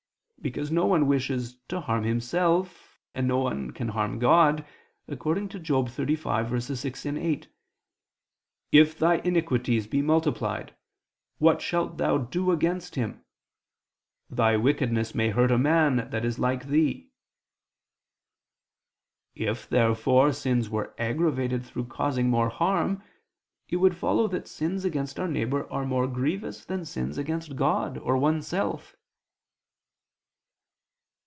Because no one wishes to harm himself: and no one can harm God, according to Job 35:6, 8: "If thy iniquities be multiplied, what shalt thou do against Him? ... Thy wickedness may hurt a man that is like thee." If, therefore, sins were aggravated through causing more harm, it would follow that sins against our neighbor are more grievous than sins against God or oneself.